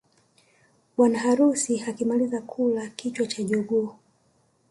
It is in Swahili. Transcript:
Bwana harusi akimaliza kula kichwa cha jogoo